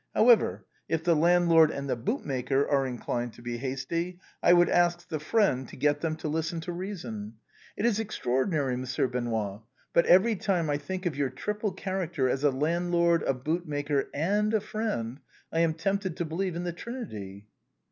However, if the landlord and the bootmaker are inclined to be hasty, I would ask the friend to get them to listen to reason. It is extraordinary. Monsieur Benoît, but every time I think of your triple character as a landlord, a bootmaker, and a friend, I am tempted to believe in the Trinity."